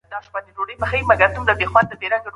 په يخنۍ کي ځان پوښل ضروري دي.